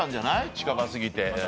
近場すぎて。